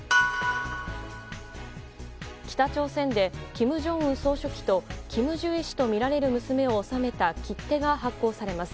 北朝鮮で金正恩総書記とキム・ジュエ氏とみられる娘を収めた切手が発行されます。